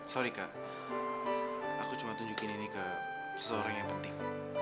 sorry kak aku cuma tunjukin ini ke seseorang yang penting